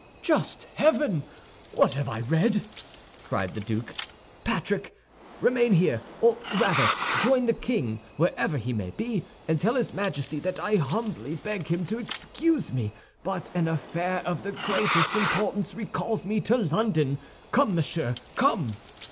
"Just heaven, what have I read?" cried the duke. "Patrick, remain here, or rather join the king, wherever he may be, and tell his Majesty that I humbly beg him to excuse me, but an affair of the greatest importance recalls me to London. Come, monsieur, come!"